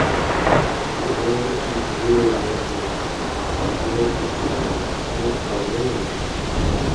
تُو اېوں بِھیے یا نَیں، اِوَیں اېک څیز تھُو؛ اېں قبلَیں یاں نی تھہ۔